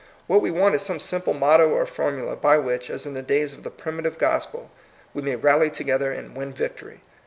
What we want is some simple motto or formula by which, as in the days of the primitive gospel, we may rally together and win vic tory.